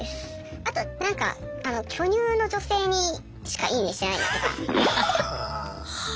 あと何かあの巨乳の女性にしか「いいね」してないだとか。